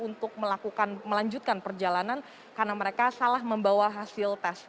untuk melakukan melanjutkan perjalanan karena mereka salah membawa hasil tes